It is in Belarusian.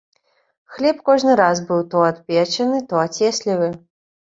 Хлеб кожны раз быў то адпечаны, то ацеслівы.